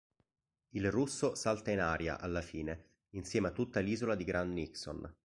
Il Russo salta in aria, alla fine, insieme a tutta l'isola di Grand Nixon.